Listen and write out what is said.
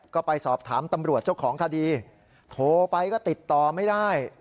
ก็ไปสอบถามตำรวจเจ้าของคดีโทรไปก็ติดต่อไม่ได้